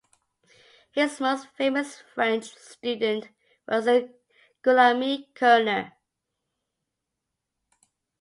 His most famous french student was Guillaume Kerner.